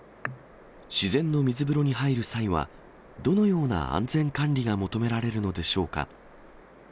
自然の水風呂に入る際は、どのような安全管理が求められるのでしょうか。